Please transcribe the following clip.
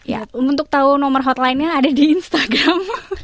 ya untuk tahu nomor hotlinenya ada di instagram